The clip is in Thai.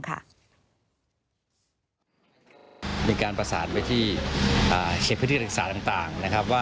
เป็นการประสานไปที่เฉพาะพฤติกรรมศึกษาต่างนะครับ